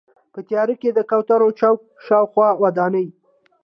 په تیاره کې د کوترو چوک شاوخوا ودانۍ.